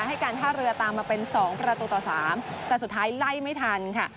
ให้การท่าเรือตามมาเป็น๒ประตูต่อ๓แต่สุดท้ายไล่ไม่ทันค่ะ